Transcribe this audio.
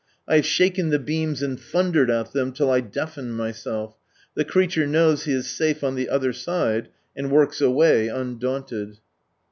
I have shaken the beams, and thundered at them, till I deafened myself, the creature knows he is safe on the other side and works away undaunted.